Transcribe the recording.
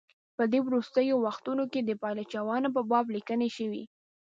په دې وروستیو وختونو کې د پایلوچانو په باب لیکني شوي.